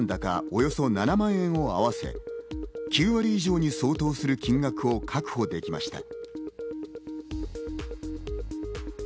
およそ７万円を合わせ、９割以上に相当する金額を確保しました。